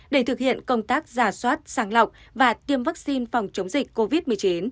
để thực hiện công tác giả soát sàng lọc và tiêm vaccine phòng chống dịch covid một mươi chín